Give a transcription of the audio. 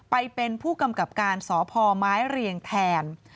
ไปเป็นผู้กำกับการสพมแทน